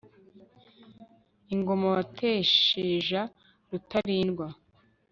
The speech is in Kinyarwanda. ingoma watesheja rutalindwa